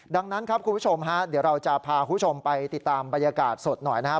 ดังนั้นครับคุณผู้ชมฮะเดี๋ยวเราจะพาคุณผู้ชมไปติดตามบรรยากาศสดหน่อยนะครับ